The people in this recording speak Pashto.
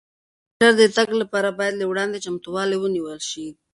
ډاکټر ته د تګ لپاره باید له وړاندې چمتووالی ونیول شي.